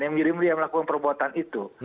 yang mirim melakukan perbuatan itu